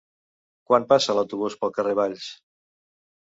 Quan passa l'autobús pel carrer Valls?